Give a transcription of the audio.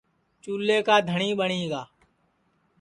چُولے کا دھٹؔی ٻٹؔی گا